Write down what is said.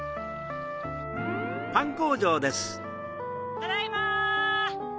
ただいま！